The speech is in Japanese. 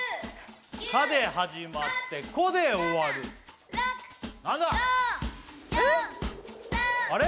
「か」で始まって「こ」で終わるえっあれ？